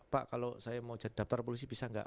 pak kalau saya mau daftar polisi bisa nggak